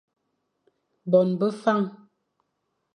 Bon be Fañ.